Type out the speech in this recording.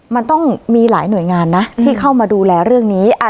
มันต้องมีหลายหน่วยงานนะที่เข้ามาดูแลเรื่องนี้